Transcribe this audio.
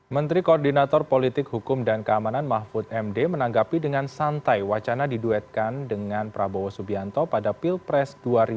menteri koordinator politik hukum dan keamanan mahfud md menanggapi dengan santai wacana diduetkan dengan prabowo subianto pada pilpres dua ribu sembilan belas